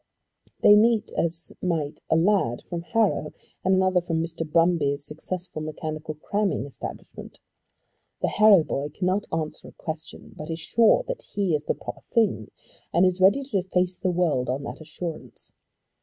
They meet as might a lad from Harrow and another from Mr. Brumby's successful mechanical cramming establishment. The Harrow boy cannot answer a question, but is sure that he is the proper thing, and is ready to face the world on that assurance.